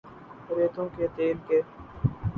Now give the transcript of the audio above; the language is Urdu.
زیتون کے تیل کے